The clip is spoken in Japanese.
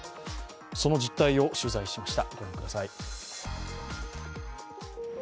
その実態を取材しました。